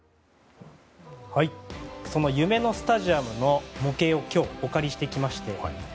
その夢のスタジアムの模型を今日、お借りしてきました。